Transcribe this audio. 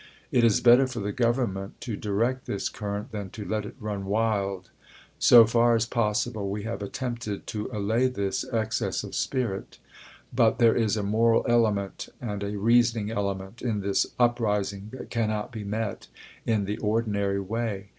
It is better for the Government to direct this current than to let it run wild. So far as pos sible we have attempted to allay this excess of spirit, but there is a moral element and a reasoning element in this uprising that cannot be met in the ordinary way.